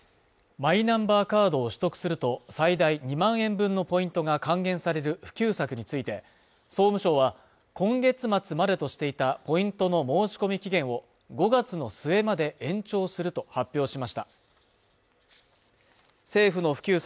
マイナンバーカードを取得すると最大２万円分のポイントが還元される普及策について総務省は今月末までとしていたポイントの申し込み期限を５月の末まで延長すると発表しました政府の普及策